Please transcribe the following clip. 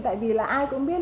tại vì là ai cũng biết